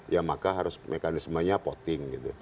ya maka harus mekanismenya voting gitu